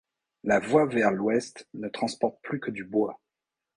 La voie vers l'ouest ne transporte plus que du bois.